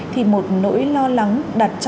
thì một nỗi lo lắng đặt trong tình huống của các cơ sở